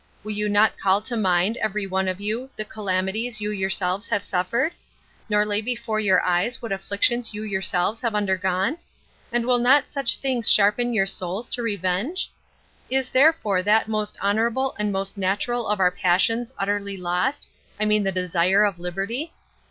Will you not call to mind, every one of you, the calamities you yourselves have suffered? nor lay before your eyes what afflictions you yourselves have undergone? and will not such things sharpen your souls to revenge? Is therefore that most honorable and most natural of our passions utterly lost, I mean the desire of liberty?